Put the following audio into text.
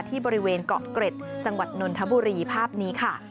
ที่บริเวณเกาะเกร็ดจังหวัดนนทบุรีภาพนี้ค่ะ